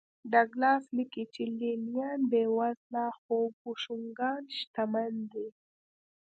ډاګلاس لیکي چې لې لیان بېوزله خو بوشونګان شتمن دي